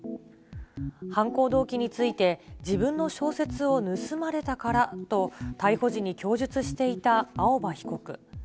犯行動機について、自分の小説を盗まれたからと、逮捕時に供述していた青葉被告。